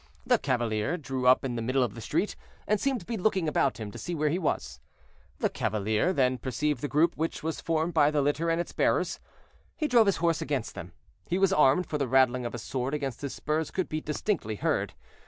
The cavalier drew up in the middle of the street, and seemed to be looking about him to see where he was. The cavalier then perceived the group which was formed by the litter and its bearers. He drove his horse against them. He was armed, for the rattling of his sword against his spurs could be distinctly heard.